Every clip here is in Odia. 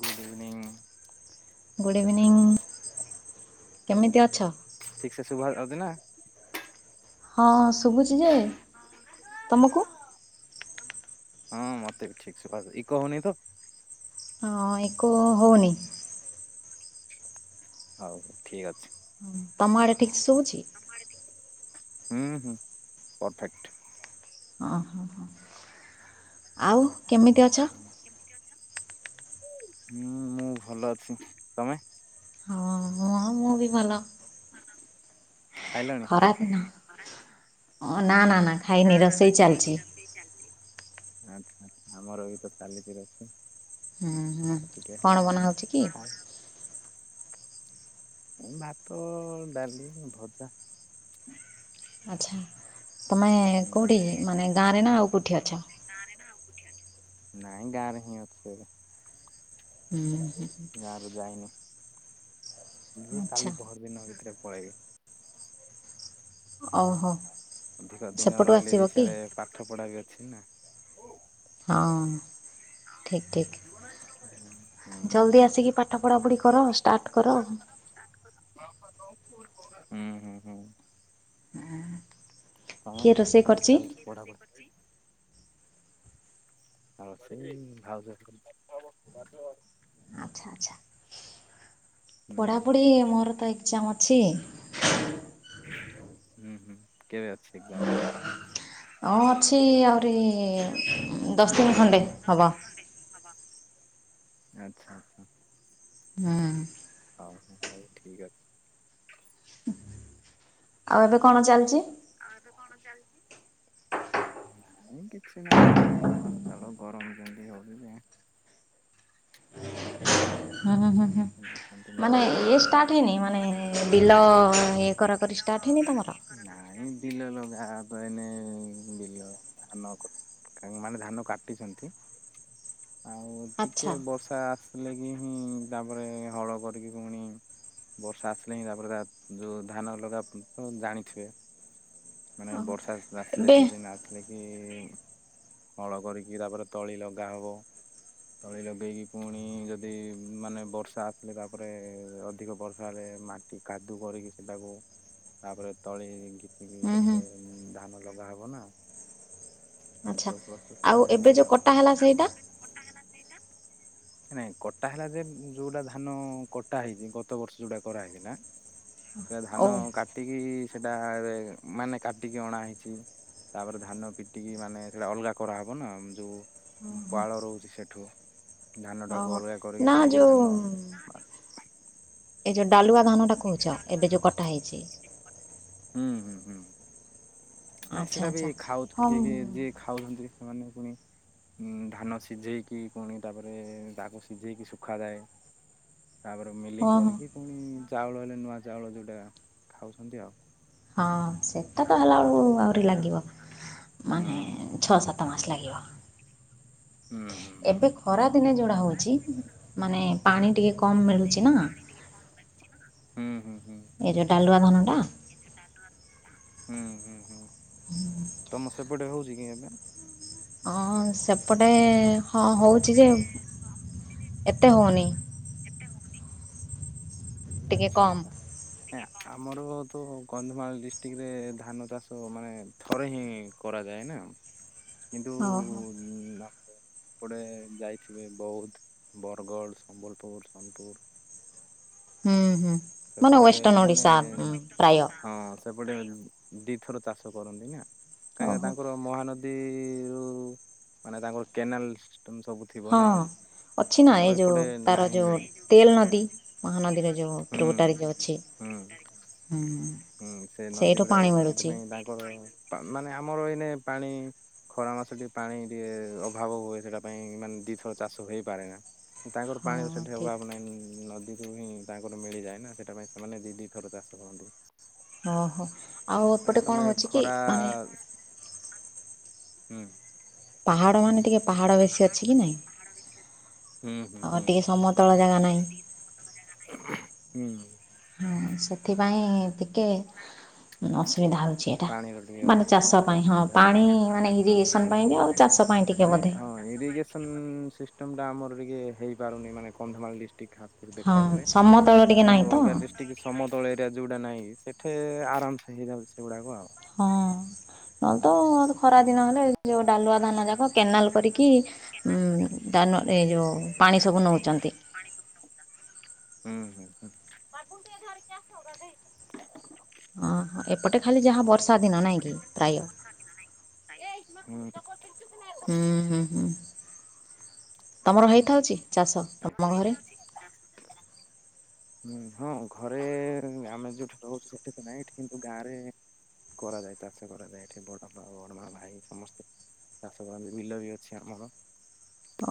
Good evening. ଗୁଡ଼ ଇଭିନିଂ କେମିତି ଅଛ। ଠିକ୍ ସେ ଶୁଭା ଯାଉଛି ନା। ହଁ ଶୁଭୁଛି ଯେ ତମକୁ। ହଁ ମତେ ବି ଠିକ ଶୁଭା ଇକୋ ହଉନିତ। ହଁ ଇକୋ ହଉନି। ହଉ ଠିକ୍ ଅଛି। ହଁ ତମ ଆଡେ ଠିକ ସେ ଶୁଭୁଛି। ଆମଆଡ଼େ ଟିକେ। ହୁଁ ହୁଁ ପରଫେକ୍ଟ। ଅହଁ ହଁ ହଁ। ଆଉ କେମିତି ଅଛ? ହୁଁ ମୁଁ ଭଲ ଅଛି ତମେ। ହଁ ହଁ। ମୁଁ ବି ଭଲ। ହଁ ଖରା ଦିନ ନା ନା ନା ଖାଇନି ରୋଷେଇ ଚାଲଚି। ଆଛା ଆମର ବି ତ ଚାଲିଛି ରୋଷେଇ। ହୁଁ ହୁଁ ଆଉ ଟିକ କଣ ହେଲେ ବନା ହଉଛି କି? ଖ ଭାତ ଡାଲି ଭଜା। ଆଚ୍ଛା ତମେ ହୁଁ। କୋଉଠି ମାନେ ଗାଁ ରେ ନା ଆଉ କୋଉଠି ଅଛ? ନାଇଁ ଗାଁ ରେ ହିଁ ଅଛି ଏବେ। ହୁଁ ହୁଁଁ। ଗାଁରୁ ଯାଇନି ଯିବି ଆଚ୍ଛା କାଲି ପହରଦିନ ଭିତରେ ପଳେଇବି। ଓହୋ। ଅଧିକ ଦିନ ସେପଟୁ ରହିଲେ ଆସିବ ବି କି? ସିଆଡେ ପାଠ ପଢା ବି ଅଛି ନା। ହଁ। ଠିକ୍ ଠିକ୍ ହୁଁ ହୁଁ ଜଲଦି ଆସିକି ପାଠ ପଢ଼ାପଢ଼ି କର ଷ୍ଟାର୍ଟ କର। ହୁଁ ହୁଁ ହୁଁ। ତମେ କିଏ ରୋଷେଇ କେମିତି କରିଛି? ଚାଲିଛି ପଢ଼ାପଢ଼ି? ଆଉ ସେଇ ଭାଉଜ। [inaudible] ଆଚ୍ଛା ଆଚ୍ଛା ପଢ଼ାପଢ଼ି ମୋର ତ ଏକ୍ଜାମ ଅଛି। ହୁଁ ହୁଁ କେବେ ଅଛି ଏକ୍ଜାମ। ହଁ ଅଛି ଆହୁରି ଦଶ ଦିନ ଖଣ୍ଡେ ହବ। ଆଚ୍ଛା ଆଚ୍ଛା। ହଁ। ହଁ ହଁ ହଉ ଠିକ୍ ଅଛି। ଆଉ ଏବେ କଣ ଚାଲିଛି? ଆଉ ଏବେ କଣ ଚାଲିଛି? ନାଇଁ କିଛି ନାଇଁ କଣ ଆଉ ଛାଡ ଗରମ ଯେମତି ହୋଉିଚ ଯେ ହୁଁ ହୁଁ ହୁଁ ହୁଁ ଓ ହୋଉ। ମାନେ ଇଏ ଷ୍ଟାର୍ଟ ହେଇନି ମାନେ ବିଲ ଇଏ କରା କରି ଷ୍ଟାର୍ଟ ହେଇନି ତମର? ନାଇଁ ବିଲ ଲଗା ପା ଏଇନେ ବିଲ ଧାନ କ କେଉମାନେ ଧାନ କାଟିଚନ୍ତ। [unintelligible] ଆଉ ଆଚ୍ଛା ଟିକେ ବର୍ଷା ଆସିଲେ କି ହୁଁ ତାପରେ ହଳ କରିକି ପୁଣି। ବର୍ଷା ଆସିଲେ ହିଁ ତାପରେ ତା ଯୋଉ ଧାନ ଲଗା ତ ଜାଣିଥିବେ। ମାନେ ବର୍ଷା ଆସଲା ସିଲେ ଏବେ ସିଜିନ ଆସ ନେଇକି ହଳ କରିକି ତାପରେ ତଳି ଲଗାହବ। ତଳି ଲଗେଇକି ପୁଣି ଯଦି ମାନେ ବର୍ଷା ଆସିଲେ ତାପରେ ଅଧିକ ବର୍ଷା ହେଲେ ମାଟି କାଦୁଅ କରିକି ସେଠାକୁ ତାପରେ ତଳି ହେଇକି ବି ହୁଁ ହୁଁ କେତେବେଳେ ଧାନ ଲଗାହବ ନା ଆଚ୍ଛା। [unintelligible] ଆଉ ଏବେ ଯୋଉ କଟା ହେଲା ସେଇଟା? କଟା ହେଲା ସେଇଟା ନାଇଁ କ ଟା ହେଲା ଯେ ଯୋଉଟା ଧାନ କଟା ହେଇନି ଗତ ବର୍ଷ ଯୋଉଟା କରାହେଇଥିଲା ସେଆ ଓ ଧାନ କାଟିକି ସେଟାରେ ମାନେ କାଟିକି ଅଣା ହେଇଚି। ତାପରେ ଧାନ ପିଟିକି ମାନେ ସେଉଡା ଅଲଗା କରାହବ ନା ଯୋଉ ଉଁ ପାଳ ରହୁଚି ସେଠୁ ଧାନଟାକୁ ଓହୋ ଅଲଗା କରିକି ନା ପୁଣି ଧାନ ଏଇ ଯୋଉ ଡାଲୁଆ ଧାନଟା କୋହୁଚ ଏବେ ଯୋଉ କଟାହେଇଚି। ହୁଁ ହୁଁ ହୁଁ ନାଇଁ ଆଚ୍ଛା ସେଟା ବି ଆଚ୍ଛା ଖାଉ ହଁ କିଏ ଯିଏ ଖାଉଛନ୍ତି ସେମାନେ ପୁଣି ଉଁ ଧାନ ସିଜେଇକି ପୁଣି ତାପରେ ତାକୁ ସିଜେଇକି ଶୁଖାଯାଏ। ତାପରେ ମିଲିଂ ହଁ ହଁ କରିକି ପୁଣି ଚାଉଳ ହେଲେ ନୂଆ ଚାଉଳ ଯୋଉଟା ଖାଉଛନ୍ତି ଆଉ। ହଁ ସେଟା ତ ହେଲା ବେଳକୁ ଆହୁରି ଲାଗିବ ହୁଁ ମାନେ ଛଅ ସାତ ମାସ ଲାଗିବ। ହୁଁ ହୁଁ ହୁଁ। ଖରାଦିନେ ଯୋଉଟା ହୋଉଚି ମାନେ ପାଣି ଟିକେ କମ୍ ମିଳୁଚି ନା। ହୁଁ ହୁଁ ହୁଁ। ଏଇ ଯୋଉ ଡାଲୁଆ ଧାନଟା। ହୁଁ ହୁଁ ହୁଁ ତମ ସେପଟେ ହୋଉଚି କି ଏବେ? ହଁ ସେପଟେ ହଁ ହୋଉଚି ଯେ ଏତେ ହୋଉନି। ଏତେ ହୋଉନି। ଏ ଟିକେ ଆଚ୍ଛା କମ୍। ଆଚ୍ଛା। କା ଆମର ବୋହୁତୁ କନ୍ଧମାଳ ଡିଷ୍ଟ୍ରିକ୍ଟରେ ଧାନ ଚାଷ ମାନେ ଥରେ ହିଁ। କରାଯାଏନା କିନ୍ତୁ ଓହୋ। ଉଁ ଲଙ୍ଗ୍ ଡୋ ପଟେ ଯାଇଥିବେ ବୌଦ୍ଧ, ବରଗଡ଼, ସମ୍ବଲପୁର, ସୋନପୁର। ହୁଁ ହୁଁ। ମାନେ ସେପଟେ ୱେଷ୍ଟର୍ଣ୍ଣ ମାନେ ଓଡ଼ିଶା ଉଁ, ହଁ ପ୍ରାୟ। ସେ ସେପଟେ ଦିଥର ଚାଷ କରନ୍ତି ନା କାହିଁକିନା ଓହୋ। ତାଙ୍କର ମହାନ ଦୀରୁ ମାନେ ତାଙ୍କର କେନାଲ ସିଷ୍ଟମ ସବୁ ଥିବ ହଁ ନା ଅଛି ନା ଏ ଆମର ଯୋଉ ଏପଟେ ତାର ଯୋଉ ନାହିଁ ତେଲ ନଦୀ ମହାନଦୀରେ ଯୋଉ ହୁଁ ପୂର୍ବଟାରେ ଯୋଉ ଅଛି ହୁଁ। ହୁଁ ସେ ନଦୀ ସେଇଠୁ ଗୁଡାକ ପାଣି ଅଛି ମିଳୁଛି ସେଥିପାଇଁ ତାଙ୍କର ତା ମାନେ ଆମର ଏଇନେ ପାଣି ଖରା ମାସ ଟିକେ ପାଣି ଟିକେ ଅଭାବ ହୁଏ ସେଟା ପାଇଁ ମାନେ ଦିଥର ଚାଷ ହେଇପାରେ ନା। ତାଙ୍କର ହଁ ପାଣିର ସେଇଠି ଠିକ୍। ଅଭାବ ନାହିଁ ନଦୀରୁ ହିଁ। ତାଙ୍କର ମିଳିଯାଏ ନା ସେଇଟା ପାଇଁ ସେମାନେ ଦି ଦି ଥର ଚାଷ କରନ୍ତି। ଓହୋ ଆଉ ମାନେ ଏପଟେ ତମେ କଣ ହଉଛି କି ଖରା ମାନେ। ହୁଁ। ପାହାଡ ମାନେ ଟିକେ। ପାହାଡ଼ ବେଶୀ ଅଛି ହୁଁ ହୁଁ ଅ ହୁଁ ଟିକେ ସମତଳ ଜାଗା ନାହିଁ। ହୁଁ। ସେଥିପାଇଁ ଟିକେ ଅସୁବିଧା ହଉ। ଛି ଏଟା ପାଣିର ଟିକେ ମାନେ ଚାଷ ଅସୁବିଧା ପାଇଁ ହଁ ଅସୁବିଧା ଆଉ। ପାଣି ମାନେ ଇରିଗେସନ ପାଇଁ ବି ଆଉ ଚାଷ ପାଇଁ ଟିକେ ବୋଧେ। ଇରିଗେସନ୍ ସିଷ୍ଟମ୍ଟା ଆମର ଟିକେ ହେଇପାରୁନି ମାନେ କନ୍ଧମାଳ ଡିଷ୍ଟ୍ରିକ୍ ଟା। ହଁ ଦେଖ ଗଲେ ସମତଳ ଟିକେ ନାହିଁ କିନ୍ତୁ ତ ଅଲଗା ହଁ। ଡ଼ିଷ୍ଟି। ଟିକେ ସମତଳ ଏରିଆ ଯଉଟା ନାହିଁ ସେଠେ ଆରାମ ସେ ହେଇଯାଉଛି ସେଗୁଡାକ ଆଉ। ହଁ ନହେଲେ ତ ଖରା ହୁଁ ଦିନ ହେଲେ ଯଉ ଡାଲୁଆ ଧାନ ଯାକ କେନାଲ କରିକି। ନୁ ଏ ଯେଉଁ ପାଣି ସବୁ ନେଉଛନ୍ତି। ହୁଁ ହୁଁ ହୁଁ ହଁ ଏପଟେ ଖାଲି ଯାହା ବର୍ଷା ଦିନ ନାଇଁ କି ପ୍ରାୟ। [unintelligible] ହୁଁ ହୁଁ ହୁଁ ହୁଁ ତମର ହେଇଥାଉଛି। ଚାଷ ତମ ତମର ଘରେ ହେଇଥାଉଛି ଏଟା। [inaudible] ହୁଁ ହଁ ଘରେ ଆମେ ଯୋଉଠି ରହୁଛୁ ସେଠି ତ ନାହିଁ ଏଠି କିନ୍ତୁ ଗାଁରେ। କରାଯାଏ ଚାଷ କରାଯାଏ ଏଠି ବଡ଼ ବଡମା ଭାଇ ସମସ୍ତେ। ଚାଷ କରନ୍ତି ବିଲ ବି ଅଛି ଆମର।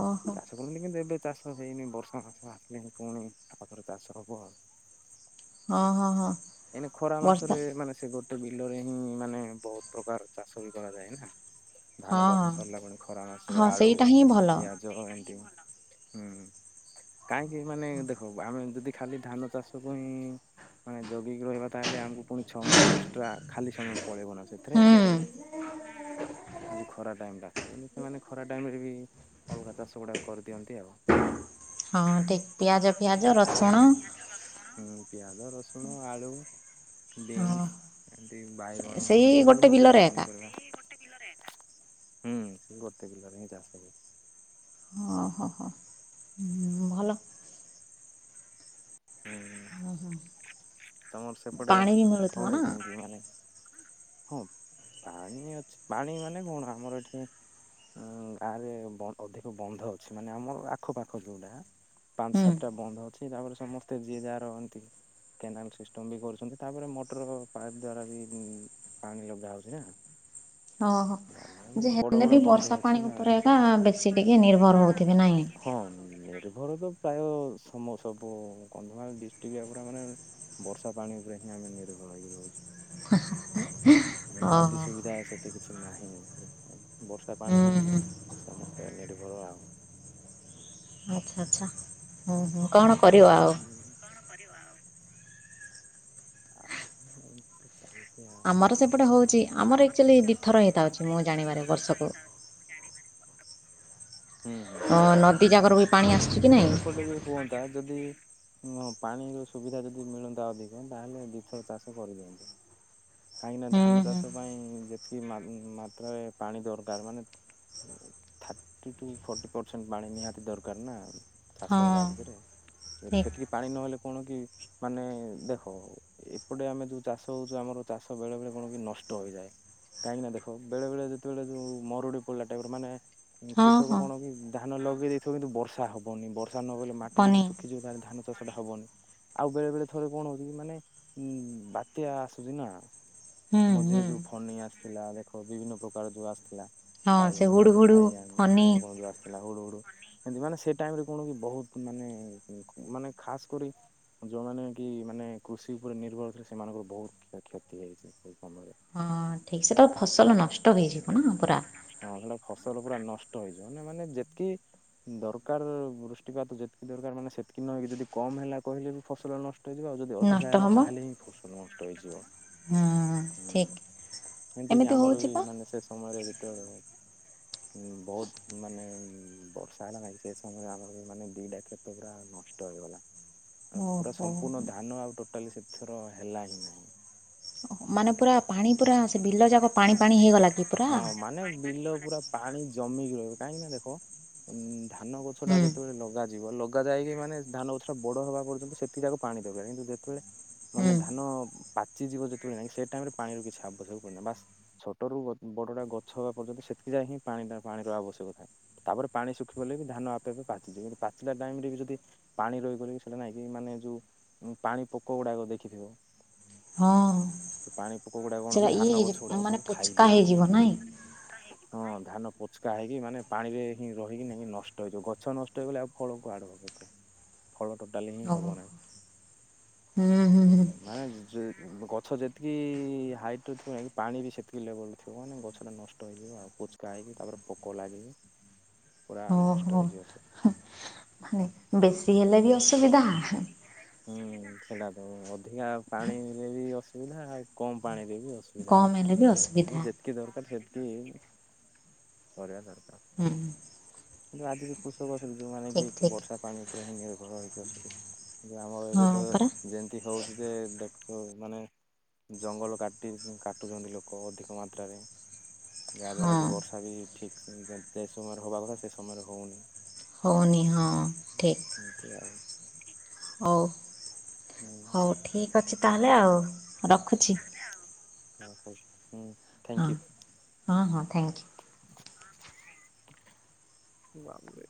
ଓହୋ। ହୋଇନି କିନ୍ତୁ ଏବେ ଚାଷ ହେଇନି ବର୍ଷା ମାଆ ଜେସ ଆସିଲେଣିି ପୁଣି ଆଉଥରେ ଚାଷ ହବ ଆଉ ହଁ ହଁ ହଁ ଏନ ଖରା ବର୍ଷା ମାସରେ ମାନେ ସେଗଟ। ବିଲରେ ହିଁ ମାନେ ବହୁତ ପ୍ରକାର ଚାଷ ବି କରାଯାଏ ନା। ଧାନ ହଁ ଚାଷ ହଁ ସରିଲା ପରେ ଖରା ମାସରେ ହଁ ଆଳୁ ସେଇଟା ହିଁ ଭଲ ପିଆଜ ଏମିତି। ହୁଁ କାହିଁକି ମାନେ ଦେଖ ଆମେ ଯଦି ଖାଲି ଧାନ ଚାଷ ପାଇଁ। ମାନେ ଯୋଗିକି ରହିବା ତାହେଲେ ଆମକୁ ପୁଣି ଛଅ ମାସ ଏକ୍ସଟ୍ରା ଖାଲି ସମୟ ପଳେଇବ ନା ସେଥିରେ। ହଁ ଯଉ ଖରା ଟାଇମଟା ସେ ମନେଖରା ଟାଇମ୍ ରେ ବି। ଅଲଗା ଚାଷ ଗୁଡ଼ାକ କରିଦିଅନ୍ତି ଆଉ। ହଁ ଠିକ ପିଆଜ ଫିଆଜ ରସୁଣ। ହଁ ପିଆଜ ରସୁଣ ଆଳୁ ହଁ ବିନ୍ସ। ଏମତି ବାଇଗଣ ସେଇ ଏମତି ଗୋଟେ ବିଭିନ୍ନ ବିଲରେ ପ୍ରକାର ଏକା ପନିପରିବା। ହୁଁ ସେଇ ଗୋଟେ ବିଲରେ ହିଁ ଚାଷ ହବ। ଓଁ ହୋ ହୋ। ଭଲ। ହୁଁ ତମର ସେପଟେ ପାଣି ବି ମିଳୁଥିବ ନା ହଉନିକି ଏମତି ମାନେ ହଁ ପାଣି ଅଛି ପାଣି ମାନେ କଣ ଆମର ଏଠି। ଗାଁରେ ଅଧିକ ବନ୍ଧ ଅଛି ମାନେ ଆମର ଆଖପାଖ ଯେଉଁଟା। ପାଞ୍ଚ ହୁଁ ସାତଟା ବନ୍ଦ ଅଛି ତାପରେ ସମସ୍ତେ ଯିଏ ଯା ରହନ୍ତି। କେନାଲ୍ ସିଷ୍ଟମ୍ ବି କରୁଛନ୍ତି ତାପରେ ମୋଟର ପାଇପ୍ ଦ୍ୱାରା ବି ଉଁ। ପାଣି ଲଗା ହେଉଛି ନା। ଓହୋ ଯେ ନ ବଡ ହେଲେ ବଡ ବି ବନ୍ଧ ବର୍ଷା ପାଣି ଅଛି ନା। ହଁ ଉପରେ ଏକା ବେଶୀ ଟିକେ ନିର୍ଭର ହେଉଥିବେ ନାହିଁ ନିର୍ଭର ତ ପ୍ରାୟ ସମ ସବୁ କନ୍ଧମାଳ ଡିଷ୍ଟ୍ରିକ୍ଟ ପୁରା ମାନେ ବର୍ଷା ପାଣି ଉପରେ ହିଁ ଆମେ ନିର୍ଭର ହୋଇକି ରହୁଛୁ। [unintelligible] ନଦୀ ଓହୋ ସୁବି ଯାଏ ସେଠି କିଛି ନାହିଁ ବର୍ଷା ପାଣି ହୁଁ ହୁଁ ହିଁ ସମସ୍ତେ ନିର୍ଭର ଆଉ। ଆଚ୍ଛା ଆଚ୍ଛା ହୁ ହୁଁ କଣ କରିବ ଆଉ? କଣ କରିବା ଆଉ? ଆଉ [unintelligible] ଆମର ସେପଟେ ହୁଁ ହେଉଛି ଆମର ଏକକ୍ଚୁଆଲି ଦ୍ୱିଥର ହେଇଥାଉଛି ମୁଁ ଜାଣିବାରେ ବର୍ଷକୁ। [unintelligible] ହୁଁ ହୁଁ ହଁ ନଦୀ ଜାଗର ବି ପାଣି ନାଇଁ ଆସୁଛି କି ବିଥର ଏପଟେ ବି ହୁଅନ୍ତା ଯଦି ହ ପାଣିର ସୁବିଧା ଯଦି ମିଳନ୍ତା ଅଧିକ ତାହେଲେ ଦୁଇଥର ଚାଷ କରିଦିଅନ୍ତୁ। କାହିଁକିନା ହୁଁ ଧାନ ହୁଁ ଚାଷ ପାଇଁ ଯେତିକି ମା ମାତ୍ରାରେ ପାଣି ଦରକାର ମାନେ ଥାର୍ଟି ଟୁ ଫର୍ଟି ପରସେଣ୍ଟ ପାଣି ନିହାତି ଦରକାର ନା ଚାଷ ହେବା ହଁ ଭିତରେ। ଯଦି ଠିକ୍ ସେତିକି ପାଣି ନହେଲେ କଣ କି ମାନେ ଦେଖ ଆ ଏପଟେ ଆମେ ଯୋଉ ଚାଷ ହଉଛୁ ଆମର ଚାଷ ବେଳେ ବେଳେ କଣ କି ନଷ୍ଟ ହେଇଯାଏ? କାହିଁକି ନା ଦେଖ ବେଳେ ବଳେ ଯେତେବେଳେ ଯୋଉ ମରୁଡ଼ି ପଡ଼ିଲା ଟାଇପର ମାନେ ହଁ କୃଷକ ହଁ କଣ କି ଧାନ ଲଗେଇ ଦେଇଥିବ କିନ୍ତୁ ବର୍ଷା ହବନି ବର୍ଷା ନହଲେ ମାଟି ପନି ଯଦି ଶୁଖିଯିବ ତାହାଲେ ଧାନ ଚାଷଟା ହବନି। ଆଉ ବେଳେ ବେଳେ ଥରେ କଣ ହଉଛି କି ମାନେ ଉ ବାତ୍ୟା ଆସୁଛି ନା। ହୁଁ ହୁଁ ମଝିରେ ଯୋଉ ଫନି ଆସିଥିଲା ଦେଖ ବିଭିନ୍ନ ପ୍ରକାର ଯୋଉ ଆସିଥିଲା। ହଁ ଫାଇ ସେ ହୁଡ଼ୁ ହୁଡ଼ୁ ଫାଇ ଆନ ଫନି କଣ କଣ ଥିଲା ହୁଡୁ ହୁଡୁ ଏମତି ମାନେ ସେ ଟାଇମ ରେ କଣ କି ବହୁତ ମାନେ ମାନେ ଖାସ କରି ଯେଉଁମାନେ କି ମାନେ କୃଷି ଉପରେ ନିର୍ଭର ଥିଲେ ସେମାନଙ୍କର ବହୁତ କ୍ଷୟ କ୍ଷତି ହେଇଛି। ସେ ସମରେ। ହ ଠିକ୍ ସେ ତ ଫସଲ ନଷ୍ଟ ହେଇଯିବ ନା ପୁରା। ହଁ ସେଇଟା ଫସଲ ପୁରା ନଷ୍ଟ ହେଇଯିବ ନା ମାନେ ଯେତିକି ଦରକାର ବୃଷ୍ଟିପାତ ଯେତିକି ଦରକାର ମାନେ ସେତିକି ନହେକି ଯଦି କମ ହେଲା କହିଲେ ବି ଫସଲ ନଷ୍ ଟ ଇଯିବ ଆଉ ଯଦି ନଷ୍ଟ ଅଧିକା ହେଲା ତାହେଲେ ହିଁ ଫସଲ ନଷ୍ଟ ହେଇଯିବ। ହଁ। ହୁଁ ସେମିତିକି ଆମର ବି ପା। ମାନେ ସେ ସମୟରେ ଭିତ [inaudible] ବହୁତ ମାନେ ବର୍ଷା ହେଲା ଲାଗଛି ସେ ସମୟରେ ଆମର ବି ମାନେ ଦିଟା କ୍ଷେତ ପୁରା ନଷ୍ ଟହେଇଗଲା। [inaudible] ପୁରା ସମ୍ପୂର୍ଣ୍ଣ ଧାନ ଆଉ ଟୋଟାଲି ସେଥିର ହେଲା ହିଁ ନାହିଁ। ମାନେ ପୁରା ପାଣି ପୁରା ସେ ବିଲ ଯାକ ପାଣି ପାାଣି ହେଇଗଲା କି ପୁରା। ହଁ ମାନେ ବିଲ ପୁରା ପାଣି ଜମିକି ରହିବ କାହିଁକି ନା ଦେଖ ଉ ଧାନ ଗଛ ଟା ହୁଁ ଯେତେବେଳେ ଲଗାଯିବ ଲଗା ଯାଇକି ମାନେ ଧାନ ଗଛ ଟା ବଡ ହେବା ପର୍ଯ୍ୟନ୍ତ ସେ ତାକୁ ପାଣି ଦେବେନି କିନ୍ତୁ ଯେତେବେଳେ ହୁଁ ମାନେ ଧାନ ପାଚିଯିବ ଯେତେବେଳେ ନାଇଁ ସେଇ ଟାଇମ ରେ ପାଣିର କିଛି ଆବଶ୍ୟକ ବାସ୍ ଛୋଟରୁ ବଡଟା ଗଛ ହବା ପର୍ଯ୍ୟନ୍ତ ସେତିକି ଯାଏ ହିଁ ପାଣିଟା ପାଣିର ଆବଶ୍ୟକ ଥାଏ। ତାପରେ ପାଣି ଶୁଖି ଗଲେ ବି ଧାନ ଆପେ ଆପେ ପାଚଯିବ କିନ୍ତୁ ପାଚିଲା ଟାଇମରେ ବି ଯଦି ପାଣି ରହିବ ସେଇଟା ନାଇଁକି ମାନେ ଯୋଉ ପାଣି ପୋକ ଗୁଡାକ ଦେଖିଥିବ। ହଁ। ସେ ପାଣି ପୋକ ଗୁଡା କଣ କି ସେଟା ଇଏ ଧାନ ଗଛ ହେଇଯିବ ଗୁଡାକ ସବୁ ମାନେ ଖାଇ ପୋଚକା ଦିଅନ୍ତି। ହେଇଯିବ ନାଇଁ? ହଁ ଧାନ ପୋଚକା ହେଇକି ମାନେ ପାଣିରେ ହିଁ ରହିକି ନେଇକି ନଷ୍ଟ ହେଇଯିବ ଗଛ ନଷ୍ଟ ହେଇଗଲେ ଆଉ ଫଳ କୁଆଡୁ ହବ। ଫଳ ଟୋଟାଲି ହିଁ ଓହୋ ହବ ନାହିଁ। ହୁଁ ମାନେ ଗଛ ଯେତିକି ହାଇଟ୍ ଥିବ ପାଣି ବି ସେତିକି ଲେବଲ ଥିବ ମାନେ ଗଛଟା ନଷ୍ଟ ହେଇଯିବ ଆଉ ପୁଚକା ହେଇକି ତାପରେ ପୋକ ଲାଗିକି। ପୁରା ନଷ୍ଟ ଓହୋ ହେଇଯିବ ସେଥି। ମାନେ ବେଶୀ ହେଲେ ବି ଅସୁବିଧା। ହୁଁ ସେଇଟା ତ ଅଧିକା ପାଣିରେ ବି ଅସୁବିଧା ଆଉ କମ ପାଣିରେବି ଅ ଅସୁବିଧା କମ୍ ହେଲେ ବି ଅଛି ଅସୁବିଧା ଯେତିକି ଦରକାର ସେତିକି କରିବା ଦରକାର। ହୁଁଁ। କିନ୍ତୁ ଆଜିିକ କୃଷକ ଅଛନ୍ତି ଯୋଉମାନେ ଠିକ୍ କି ଠିକ୍ ବର୍ଷା ପାଣି ଉପରେ ହିଁ ନିର୍ଭର ହେଇକି ଅଛନ୍ତି। ଆମର ହଁ ଏବେ ତ ପରା ଯେମିତି ହଉଛି ଯେ ଦେଖ ମାନେ ଜଙ୍ଗଲ କାଟି କାଟୁଛନ୍ତି ଲୋକ ଅଧିକ ମାତ୍ରାରେ। ହଁ ଯାହାଦ୍ୱାରା କି ବର୍ଷା ବି ଠିକ୍ ଯେ ସମୟରେ ହେବା କଥା ସେ ସମୟରେ ହଉନି। ହଉନି ହଁ ଠିକ। [inaudible] ହୁଁ। ହଉ ଠିକ୍ ଅଛି ତା ହେଲେ ଆଉ ରଖୁଛି। [inaudible] ହଁ ହଁ ହଁ ଥ୍ୟାଙ୍କୟୁ। ବାପରେ।